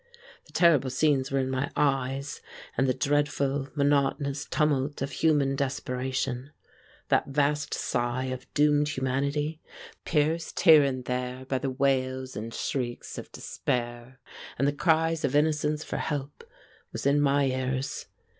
The terrible scenes were in my eyes, and the dreadful, monotonous tumult of human desperation that vast sigh of doomed humanity, pierced here and there by the wails and shrieks of despair and the cries of innocence for help, was in my ears.